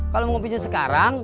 kalo mau kopinya sekarang